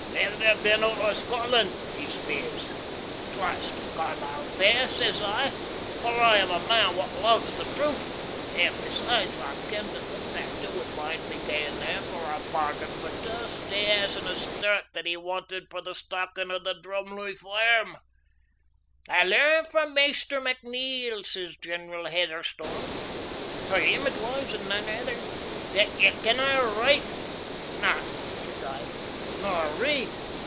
"Never been oot o' Scotland?" he speers. "Twice to Carlisle fair," says I, for I am a man wha loves the truth; and besides I kenned that the factor would mind my gaeing there, for I bargained fur twa steers and a stirk that he wanted for the stockin' o' the Drumleugh Fairm. "I learn frae Maister McNeil," says General Heatherstone for him it was and nane ither "that ye canna write." "Na," says I. "Nor read?"